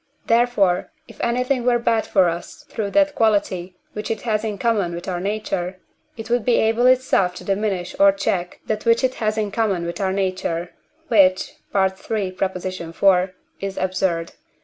Therefore, if anything were bad for us through that quality which it has in common with our nature, it would be able itself to diminish or check that which it has in common with our nature, which (III. iv.) is absurd.